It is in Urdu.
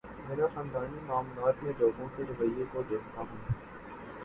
میں خاندانی معاملات میں لوگوں کے رویے کو دیکھتا ہوں۔